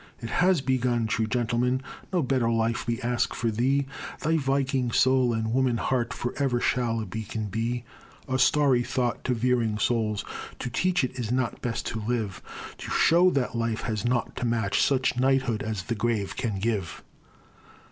It has begun, true gentleman! No better life we ask for thee; Thy Viking soul and woman heart Forever shall a beacon be, A starry thought to veering souls, To teach it is not best to live; To show that life has naught to match Such knighthood as the grave can give.